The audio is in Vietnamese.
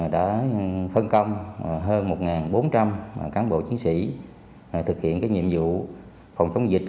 đã phân công hơn một bốn trăm linh cán bộ chiến sĩ thực hiện nhiệm vụ phòng chống dịch